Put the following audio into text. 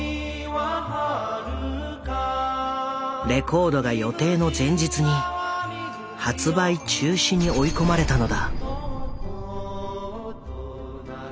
レコードが予定の前日に発売中止に追い込まれたのだ。